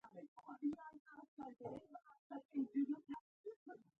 مستان بېرته لاړل او بیا یې شراب وڅښل.